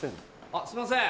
あっすいません！